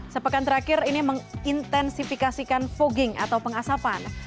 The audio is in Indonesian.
sepekan terakhir ini mengintensifikasikan fogging atau pengasapan